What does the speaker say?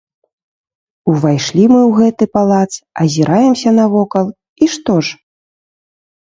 Увайшлі мы ў гэты палац, азіраемся навокал, і што ж?